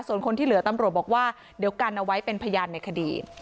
ส่วนคนที่เหลือตำรวจบอกว่าเดี๋ยวกันเอาไว้เป็นพยานในคดี